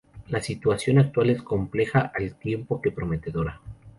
La situación actual es compleja al tiempo que prometedora.